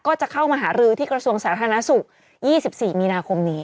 ก็จะเข้ามาหารือที่กระทรวงสาธารณสุข๒๔มีนาคมนี้